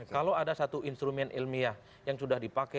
kalau ada satu instrumen ilmiah yang sudah dipakai